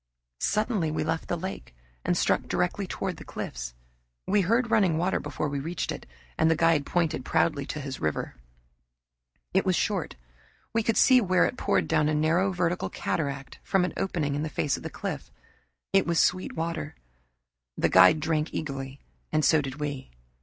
Suddenly we left the lake and struck directly toward the cliffs. We heard running water before we reached it, and the guide pointed proudly to his river. It was short. We could see where it poured down a narrow vertical cataract from an opening in the face of the cliff. It was sweet water. The guide drank eagerly and so did we.